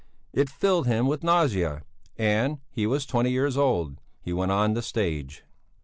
It filled him with nausea and he was twenty years old he went on the stage.